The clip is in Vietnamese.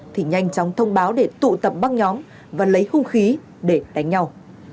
thì nhanh chóng thông báo để tụ tập băng nhóm và lấy hung khí để đánh nhau